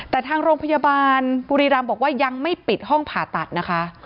แต่ทางโรงพยาบาลบุรีรำบอกว่ายังไม่ปิดห้องผ่าตัดนะคะ